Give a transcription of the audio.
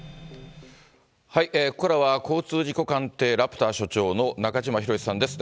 ここからは、交通事故鑑定ラプター所長の中島博史さんです。